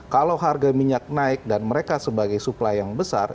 kalau harga minyak naik dan mereka sebagai supply yang besar